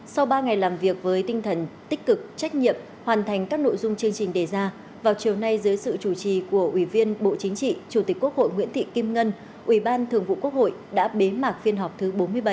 sau ba ngày làm việc với tinh thần tích cực trách nhiệm hoàn thành các nội dung chương trình đề ra vào chiều nay dưới sự chủ trì của ủy viên bộ chính trị chủ tịch quốc hội nguyễn thị kim ngân ủy ban thường vụ quốc hội đã bế mạc phiên họp thứ bốn mươi bảy